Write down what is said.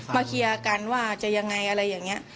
เคลียร์กันว่าจะยังไงอะไรอย่างนี้